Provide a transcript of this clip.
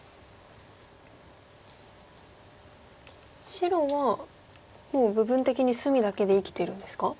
白はもう部分的に隅だけで生きてるんですか？